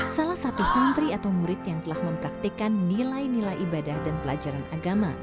salah satu santri atau murid yang telah mempraktikan nilai nilai ibadah dan pelajaran agama